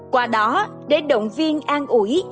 qua đó để động viên an ủi